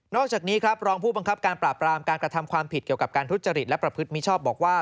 อกจากนี้ครับรองผู้บังคับการปราบรามการกระทำความผิดเกี่ยวกับการทุจริตและประพฤติมิชอบบอกว่า